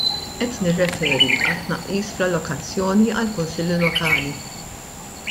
Qed nirreferi għat-tnaqqis fl-allokazzjoni għall-kunsilli lokali.